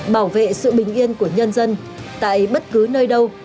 bảo vệ sự bình yên của nhân dân tại bất cứ nơi đâu